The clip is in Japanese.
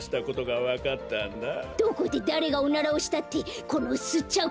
どこでだれがおならをしたってこのすっちゃう